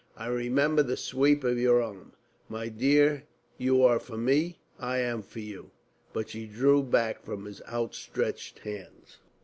I remember the sweep of your arm.... My dear, you are for me; I am for you." But she drew back from his outstretched hands.